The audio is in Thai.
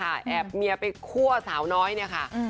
แอบเมียไปคั่วเมียสาวน้อย